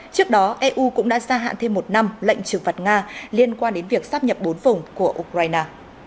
trước đó eu cũng đã gia hạn thêm một năm lệnh trừng phạt nga liên quan đến việc sắp nhập bốn vùng của ukraine